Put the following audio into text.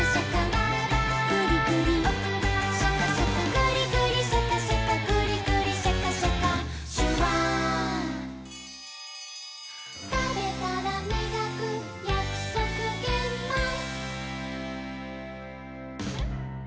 「グリグリシャカシャカグリグリシャカシャカ」「シュワー」「たべたらみがくやくそくげんまん」